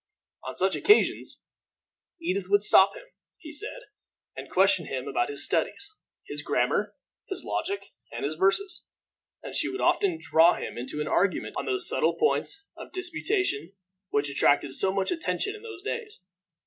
On such occasions Edith would stop him, he said, and question him about his studies, his grammar, his logic, and his verses; and she would often draw him into an argument on those subtle points of disputation which attracted so much attention in those days.